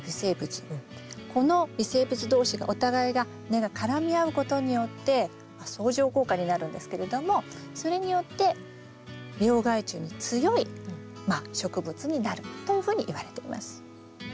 この微生物同士がお互いが根が絡み合うことによって相乗効果になるんですけれどもそれによって病害虫に強い植物になるというふうにいわれています。